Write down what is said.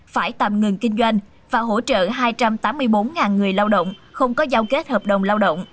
phải tạm ngừng kinh doanh và hỗ trợ hai trăm tám mươi bốn người lao động không có giao kết hợp đồng lao động